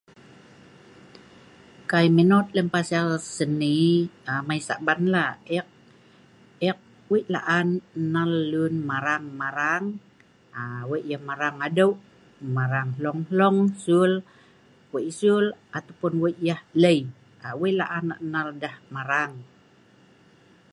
Kai minot lem pasal seni amai saban la, ek wei laan nnal lun marang-marang .wei marang adeeu ,marang hlong-hlong suel wei yah suel wei yah mak lei, wei laan ek nnal deh marang